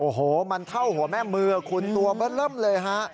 โอ้โหมันเท่าหัวแม่มือคุณตัวเบอร์เริ่มเลยฮะ